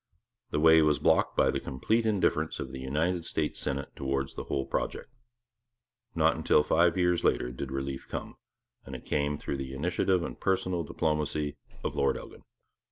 The way was blocked by the complete indifference of the United States Senate towards the whole project. Not until five years later did relief come; and it came through the initiative and personal diplomacy of Lord Elgin.